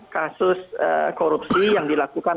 kasus korupsi yang dilakukan